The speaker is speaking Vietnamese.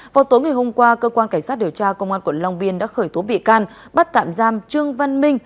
vào tối ngày hôm qua cơ quan cảnh sát điều tra công an quận long biên đã khởi tố bị can bắt tạm giam trương văn minh